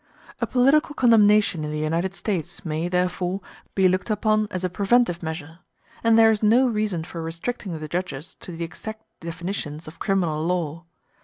A political condemnation in the United States may, therefore, be looked upon as a preventive measure; and there is no reason for restricting the judges to the exact definitions of criminal law.